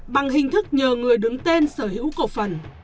bằng hình thức nhờ người đứng tên sở hữu cổ phần